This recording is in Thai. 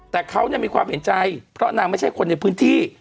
แต่เขามีความเห็นใจเพราะนางไม่ใช่คนในพื้นที่